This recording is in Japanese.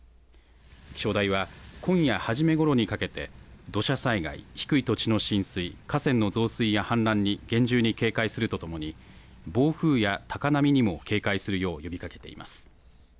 気象台は今夜初めごろにかけて土砂災害、低い土地の浸水河川の増水や氾濫に厳重に警戒するとともに暴風や高波にも警戒するよう呼びかけています。